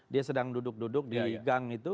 dia sedang duduk duduk di gang itu